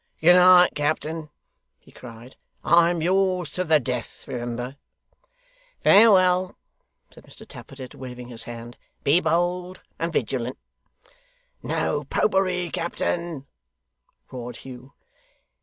'Good night, captain!' he cried. 'I am yours to the death, remember!' 'Farewell!' said Mr Tappertit, waving his hand. 'Be bold and vigilant!' 'No Popery, captain!' roared Hugh.